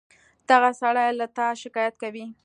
دغه سړى له تا شکايت کوي.